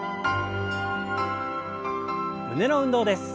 胸の運動です。